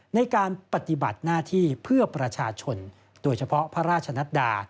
ในการปฏิบัติหน้าที่เพื่อประชาชนโดยเฉพาะพระราชนัดดา